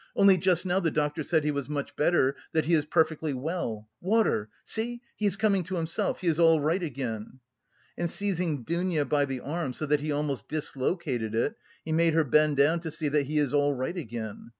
Only just now the doctor said he was much better, that he is perfectly well! Water! See, he is coming to himself, he is all right again!" And seizing Dounia by the arm so that he almost dislocated it, he made her bend down to see that "he is all right again."